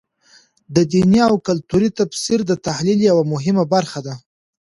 د دیني او کلتور تفسیر د تحلیل یوه مهمه برخه ده.